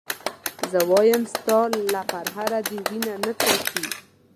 زه وایم ستا له پرهره دې وینه نه څاڅي.